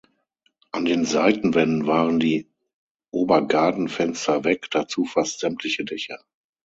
An den Seitenwänden waren die Obergadenfenster weg, dazu fast sämtliche Dächer.